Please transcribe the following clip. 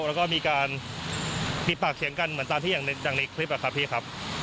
แล้วก็มีการมีปากเสียงกันเหมือนตามที่อย่างในคลิปอะครับพี่ครับ